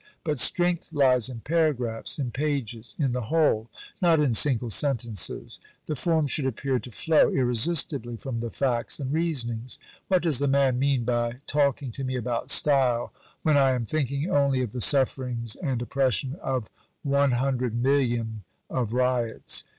But strength lies in paragraphs, in pages, in the whole; not in single sentences. The form should appear to flow irresistibly from the facts and reasonings. 'What does the man mean by talking to me about style when I am thinking only of the sufferings and oppression of 100,000,000 of Ryots?'